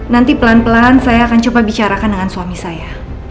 nanti pelan pelan saya akan coba bicarakan dengan suami saya